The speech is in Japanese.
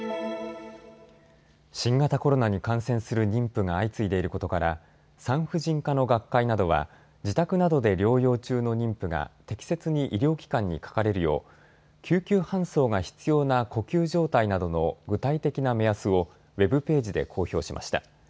新型コロナに感染する妊婦が相次いでいることから産婦人科の学会などは自宅などで療養中の妊婦が適切に医療機関にかかれるよう救急搬送が必要な呼吸状態などの具体的な目安をウェブページで公表しました。